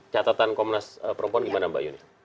catatan komnas perempuan gimana mbak yuni